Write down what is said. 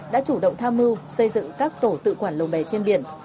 đã chủ động tham mưu xây dựng các tổ tự quản lồng bè trên biển